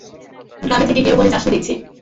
গ্রামে থেকে গেঁয়ো বনে যাসনি দেখছি।